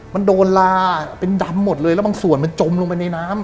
มันโดนลาเป็นดำหมดเลยแล้วบางส่วนมันจมลงไปในน้ำ